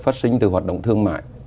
phát sinh từ hoạt động thương mại